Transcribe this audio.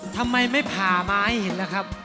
ทำไมไม่ผ่าไม้เห็นนะเปล่า